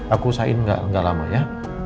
aku sain gak lama ya